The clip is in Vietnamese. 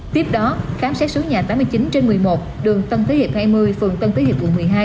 tiếp đó khám xét số nhà tám mươi chín trên một mươi một đường tân thế hiệp hai mươi phường tân thế hiệp quận một mươi hai